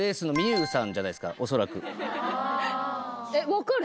分かる？